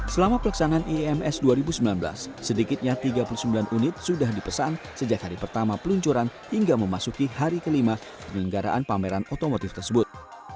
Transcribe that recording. selama pelaksanaan iims dua ribu sembilan belas sedikitnya tiga puluh sembilan unit sudah dipesan sejak hari pertama peluncuran hingga memasuki hari kelima penyelenggaraan pameran otomotif tersebut